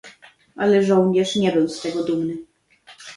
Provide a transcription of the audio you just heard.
"Ale żołnierz nie był z tego dumny."